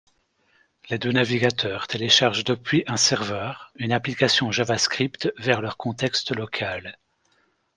Les deux navigateurs téléchargent depuis un serveur une application JavaScript vers leur contexte local.